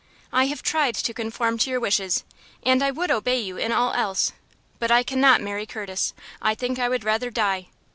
I have tried to conform to your wishes, and I would obey you in all else but I cannot marry Curtis; I think I would rather die.